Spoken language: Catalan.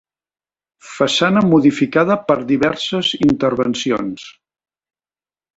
Façana modificada per diverses intervencions.